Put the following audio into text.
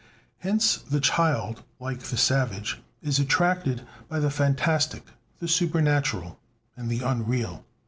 Hence the child, like the savage, is attracted by the fantastic, the supernatural, and the unreal.